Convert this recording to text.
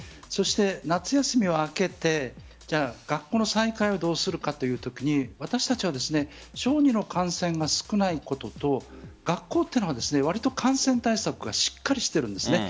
そして夏休みが明けて学校の再開をどうするかというときに私たちは小児の感染が少ないことと学校というのは割と感染対策がしっかりしているんです。